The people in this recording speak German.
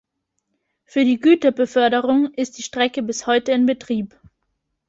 Für die Güterbeförderung ist die Strecke bis heute in Betrieb.